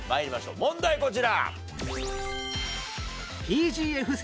問題こちら。